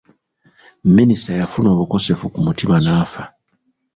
Minisita yafuna obukosefu ku mutima n'afa.